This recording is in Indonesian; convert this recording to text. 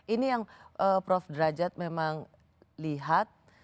ini yang prof derajat memang lihat